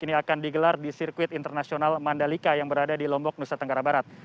ini akan digelar di sirkuit internasional mandalika yang berada di lombok nusa tenggara barat